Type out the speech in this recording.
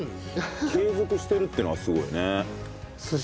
継続してるってのがすごいね。